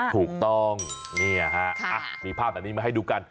ถูกต้องมีภาพแบบนี้มาให้ดูกัน